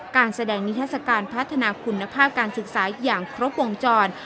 การแสดงนิทัศกาลพัฒนาคุณภาพการศึกษาอย่างครบวงจร